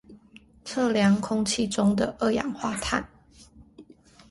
測量空氣中的二氧化碳